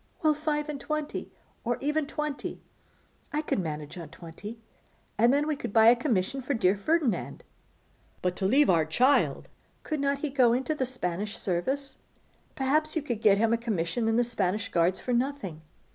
'Well, five and twenty, or even twenty. I could manage on twenty. And then we could buy a commission for dear Ferdinand.' 'But to leave our child!' 'Could not he go into the Spanish service? Perhaps you could get a commission in the Spanish Guards for nothing.